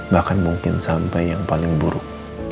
bahkan mungkin sampai yang paling buruk